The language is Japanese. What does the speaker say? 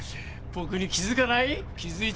僕に気付かない？